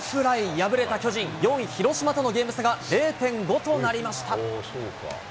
敗れた巨人、４位広島とのゲーム差が０．５となりました。